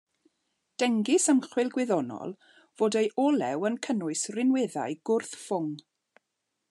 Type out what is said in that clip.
Dengys ymchwil gwyddonol fod ei olew yn cynnwys rhinweddau gwrth-ffwng.